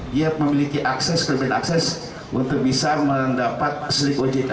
dia memiliki akses perbedaan akses untuk bisa mendapat selip ojk